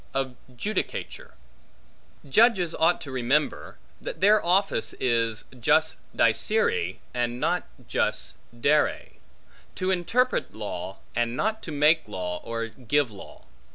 Of Judicature JUDGES ought to remember, that their office is jus dicere, and not jus dare; to interpret law, and not to make law, or give law.